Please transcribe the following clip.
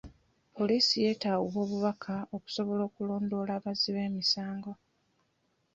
Poliisi yeetaaga obubaka okusobola okulondoola abazzi b'emisango.